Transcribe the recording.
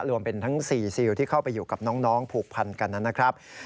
รวมเป็นทั้ง๔ซิลที่เข้าไปอยู่กับน้องผูกพันกันนะครับ